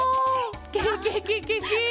ケケケケケ！